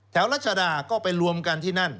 แถวรัชดาไปรวมกันที่นั่น